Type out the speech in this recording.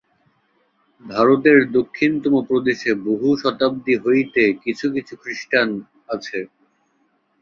ভারতের দক্ষিণতম প্রদেশে বহু শতাব্দী হইতে কিছু কিছু খ্রীষ্টান আছে।